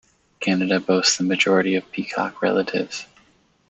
Canada boasts the majority of Peacock relatives.